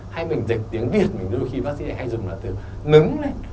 hay mình dịch tiếng việt mình đôi khi bác sĩ thành hay dùng là từ nứng lên